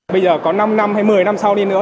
bây giờ có năm năm hay một mươi năm sau đi nữa